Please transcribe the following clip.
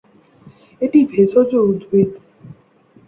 এটি ভেষজ উদ্ভিদ।